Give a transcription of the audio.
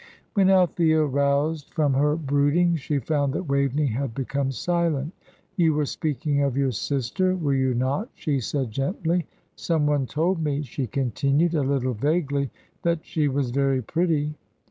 When Althea roused from her brooding, she found that Waveney had become silent. "You were speaking of your sister, were you not?" she said, gently. "Some one told me," she continued, a little vaguely, "that she was very pretty."